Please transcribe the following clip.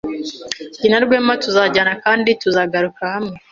Jye na Rwema tuzajyana kandi tuzagaruka hamwe.